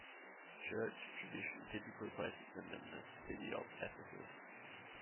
Church tradition typically places them in the city of Ephesus.